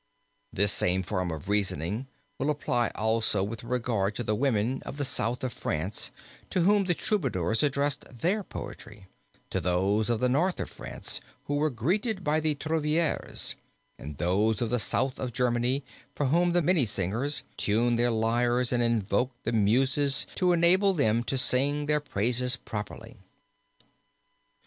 This same form of reasoning will apply also with regard to the women of the South of France to whom the Troubadours addressed their poetry; to those of the north of France who were greeted by the Trouvères; and those of the south of Germany for whom the Minnesingers tuned their lyres and invoked the Muses to enable them to sing their praises properly.